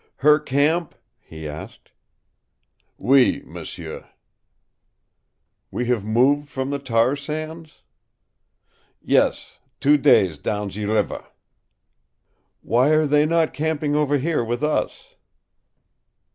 "Her camp?" he asked. "OUI, m'sieu." "We have moved from the tar sands?" "Yes, two days down ze river." "Why are they not camping over here with us?"